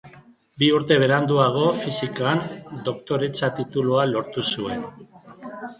Bi urte beranduago, Fisikan Doktoretza titulua lortu zuen.